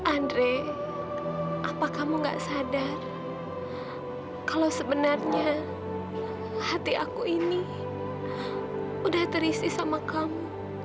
andre apa kamu gak sadar kalau sebenarnya hati aku ini udah terisi sama kamu